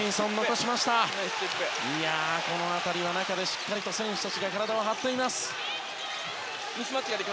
中でしっかりと選手たちが体を張っています。